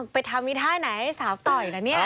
ไปทำอีท่าไหนสาวต่อยล่ะเนี่ย